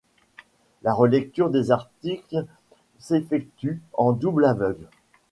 La relecture des articles s'effectue en double aveugle.